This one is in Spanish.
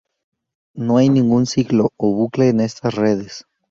No hay ningún ciclo o bucle en estas redes.